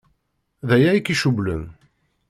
D aya i k-icewwlen?